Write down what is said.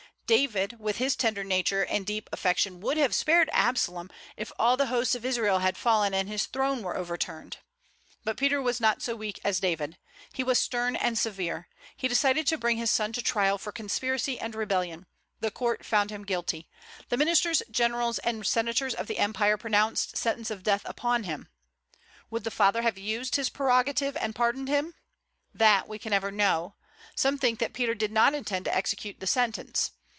David, with his tender nature and deep affection, would have spared Absalom if all the hosts of Israel had fallen and his throne were overturned. But Peter was not so weak as David; he was stern and severe. He decided to bring his son to trial for conspiracy and rebellion. The court found him guilty. The ministers, generals, and senators of the empire pronounced sentence of death upon him. Would the father have used his prerogative and pardoned him? That we can never know. Some think that Peter did not intend to execute the sentence.